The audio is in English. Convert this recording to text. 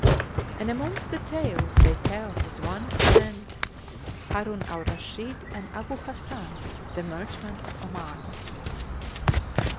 And amongst the tales they tell is one anent HARUN AL RASHID AND ABU HASAN, THE MERCHANT OF OMAN.